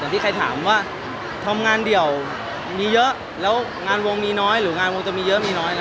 ที่ใครถามว่าทำงานเดี่ยวมีเยอะแล้วงานวงมีน้อยหรืองานวงจะมีเยอะมีน้อยนะ